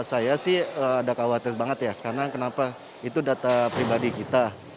saya sih ada khawatir banget ya karena kenapa itu data pribadi kita